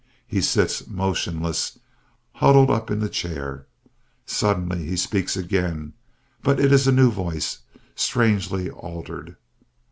He sits motionless, huddled up in the chair. Suddenly he speaks again, but it is a new voice, strangely altered.